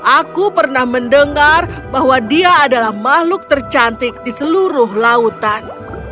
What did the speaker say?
aku pernah mendengar bahwa dia adalah makhluk tercantik di seluruh lautan